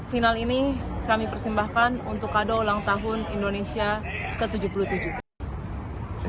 final ini kami persembahkan untuk kado ulang tahun indonesia ke tujuh puluh tujuh